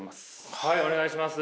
はいお願いします。